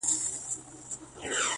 • لويي څپې به لکه غرونه راځي,